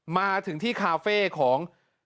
มาถึงที่คาเฟ่ของ